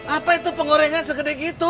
apa itu pengorengan segede gitu